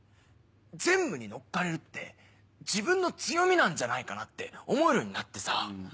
「全部に乗っかれるって自分の強みなんじゃないかな」って思えるようになってさ。